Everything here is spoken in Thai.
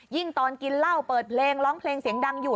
ตอนกินเหล้าเปิดเพลงร้องเพลงเสียงดังอยู่